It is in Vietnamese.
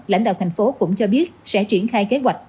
lãnh đạo thành phố cũng cho biết sẽ triển khai kế hoạch